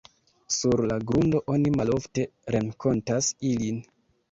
Sur la grundo oni malofte renkontas ilin.